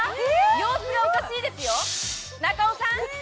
様子がおかしいですよ中尾さん？